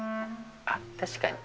あっ確かに。